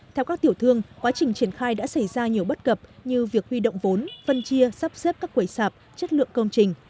theo các tiểu thương quá trình triển khai đã xảy ra nhiều bất cập như việc huy động vốn phân chia sắp xếp các quầy sạp chất lượng công trình